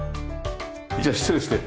じゃあ失礼して。